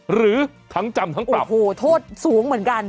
หรือทั้งจำทั้งปรับโอ้โหโทษสูงเหมือนกัน